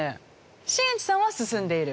新内さんは「進んでいる」？